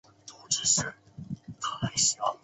这是最让我惊讶的事